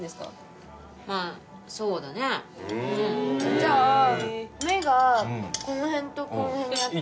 じゃあ目がこの辺とこの辺にあって。